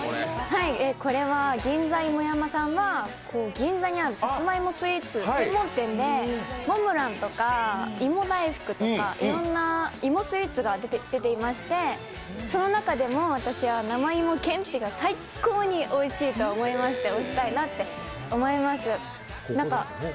銀座芋山さんは、銀座にあるさつまいもスイーツ専門店でモンブランとか芋大福とかいろいろな芋スイーツが出ていまして、その中でも、私は生芋けんぴが最高においしいと思いまして推したいなって思います。